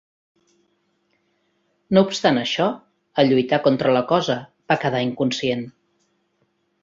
No obstant això, al lluitar contra la Cosa, va quedar inconscient.